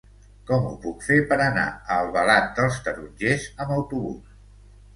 Com ho puc fer per anar a Albalat dels Tarongers amb autobús?